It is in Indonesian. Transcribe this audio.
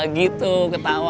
kamu berapa ya